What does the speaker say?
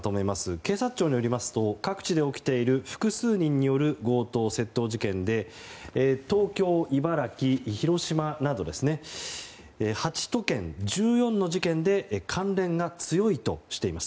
警察庁によりますと各地で起きている複数人による強盗・窃盗事件で東京、茨城、広島など８都県、１４の事件で関連が強いとしています。